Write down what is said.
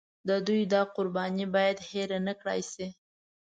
د دوی دا قرباني باید هېره نکړای شي.